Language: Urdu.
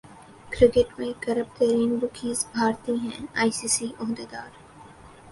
کرکٹ میں کرپٹ ترین بکیز بھارتی ہیں ائی سی سی عہدیدار